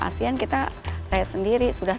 asean kita saya sendiri sudah